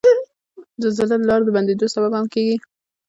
زلزله د لارو د بندیدو سبب هم کیږي.